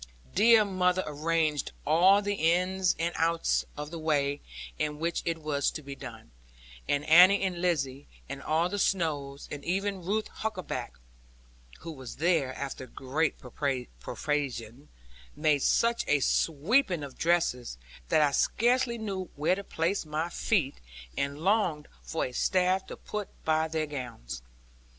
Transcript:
Dear mother arranged all the ins and outs of the way in which it was to be done; and Annie and Lizzie, and all the Snowes, and even Ruth Huckaback (who was there, after great persuasion), made such a sweeping of dresses that I scarcely knew where to place my feet, and longed for a staff, to put by their gowns.